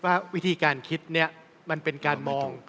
น่าวิธีการคิดมันเป็นการมอง